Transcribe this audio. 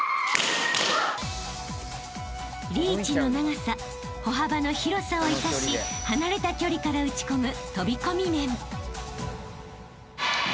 ［リーチの長さ歩幅の広さを生かし離れた距離から打ち込む］